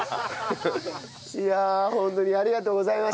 いやホントにありがとうございました。